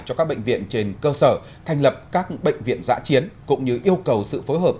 cho các bệnh viện trên cơ sở thành lập các bệnh viện giã chiến cũng như yêu cầu sự phối hợp